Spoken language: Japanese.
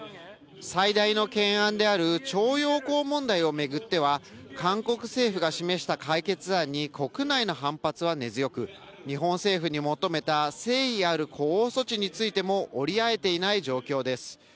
最大の懸案である徴用工問題を巡っては韓国政府が示した解決案に国内の反発は根強く、日本政府に求めた誠意ある呼応措置についても折り合えていない状況です。